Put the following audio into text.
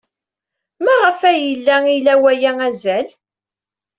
Maɣef ay yella ila waya azal?